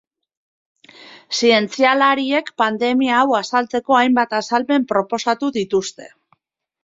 Zientzialariek pandemia hau azaltzeko hainbat azalpen proposatu dituzte.